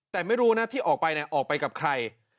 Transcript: แต่ไม่รู้นะที่ออกไปออกไปกับใคร